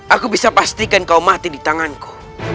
aku bisa pastikan kau mati di tanganku